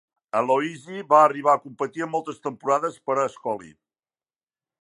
Aloisi va arribar a competir en moltes temporades per a Ascoli.